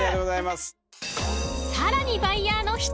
［さらに］